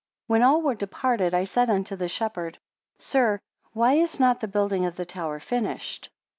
42 When all were departed, I said unto the shepherd; Sir, why is not the building of the tower finished?